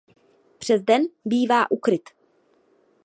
Přes den bývá ukryt.